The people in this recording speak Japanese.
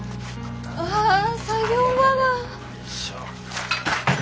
ああ作業場が。